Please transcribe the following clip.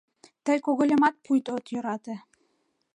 — Тый когыльымат пуйто от йӧрате